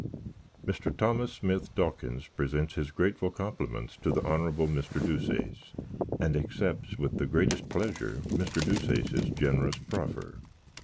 "Mr. Thomas Smith Dawkins presents his grateful compliments to the Hon. Mr. Deuceace, and accepts with the greatest pleasure Mr. Deuceace's generous proffer.